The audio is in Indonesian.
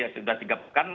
sudah tiga bulan